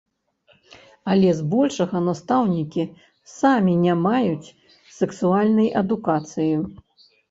Але збольшага настаўнікі самі не маюць сексуальнай адукацыі.